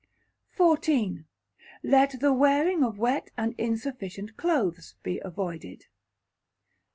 xiv. Let the Wearing of wet and insufficient clothes be avoided.